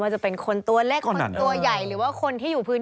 ว่าจะเป็นคนตัวเล็กคนตัวใหญ่